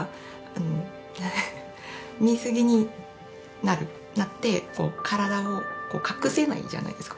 水着になって体を隠せないじゃないですか